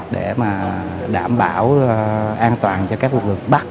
để mà đảm bảo an toàn cho các lực lượng bắt